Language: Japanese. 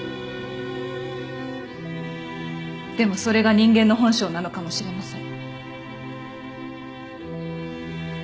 でもそれが人間の本性なのかもしれません。